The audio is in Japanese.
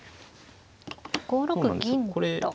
５六銀と。